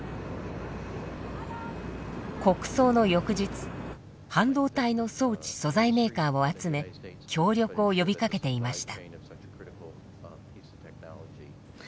国葬の翌日半導体の装置・素材メーカーを集め協力を呼びかけていました。